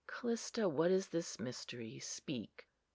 Callista, what is this mystery?—speak!